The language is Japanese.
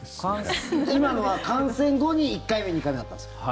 今のは感染後に１回目、２回目だったんですよね